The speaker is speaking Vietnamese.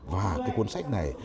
và cái cuốn sách này